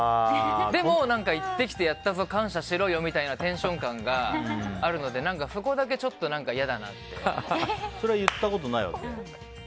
でも、行ってきてやったぞ感謝しろっていうテンション感があるのでそれは言ったことないわけ？